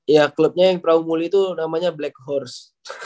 ya klubnya yang prabu muli itu namanya black horse